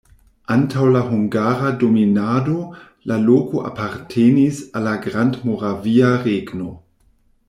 Antaŭ la hungara dominado la loko apartenis al la Grandmoravia Regno.